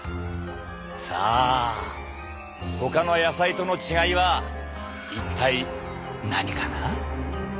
さあほかの野菜との違いは一体何かな？